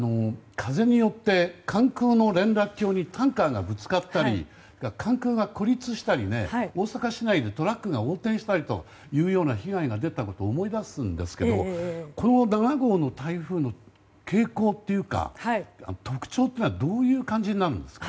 風によって関空の連絡橋にタンカーがぶつかったり関空が孤立したり大阪市内でトラックが横転したりという被害が出たことを思い出すんですけどもこの７号の台風の傾向というか特徴はどういう感じなんですか？